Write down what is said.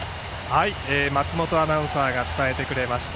松本アナウンサーが伝えてくれました。